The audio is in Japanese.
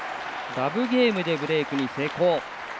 ラブゲームでブレークに成功。